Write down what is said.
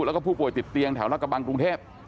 แล้วก็ผู้ป่วยติดเตียงแถวรัฐกระบังกรุงเทพ